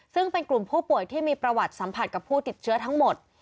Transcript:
ซึ่งเป็นกลุ่มผู้ป่วยที่มีประวัติสัมผัสกับผู้ติดเชื้อทั้งหมด